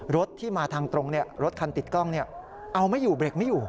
รถที่มาทางตรงรถคันติดกล้องเอาไม่อยู่เบรกไม่อยู่